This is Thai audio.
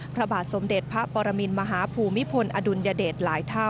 พระบาทสมเด็จพระปรมินมหาภูมิพลอดุลยเดชหลายเท่า